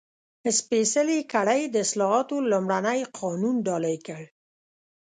سپېڅلې کړۍ د اصلاحاتو لومړنی قانون ډالۍ کړ.